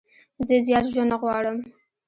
زه زیات ژوند نه غواړم.